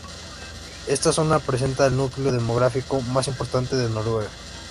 Esta zona presenta el núcleo demográfico más importante de Noruega.